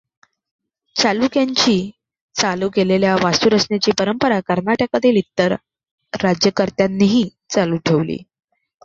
चालुक्यांची चालू केलेल्या वास्तुरचनेची परंपरा कर्नाटकातील इतर राज्यकर्त्यांनीही चालू ठेवली.